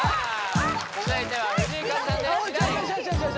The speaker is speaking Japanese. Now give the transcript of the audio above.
続いては藤井風さんで「きらり」